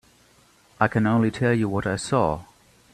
I can only tell you what I saw.